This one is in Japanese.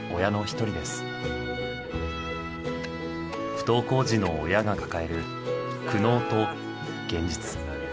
不登校児の親が抱える苦悩と現実。